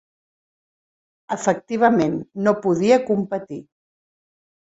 Efectivament, no podia competir.